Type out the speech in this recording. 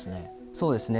そうですね。